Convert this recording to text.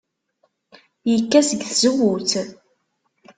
Yekka seg tzewwut.